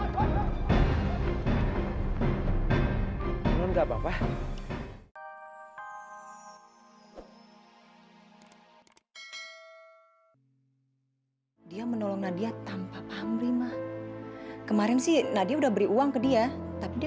terima kasih sama dia